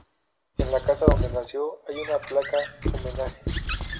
En la casa donde nació hay una placa homenaje.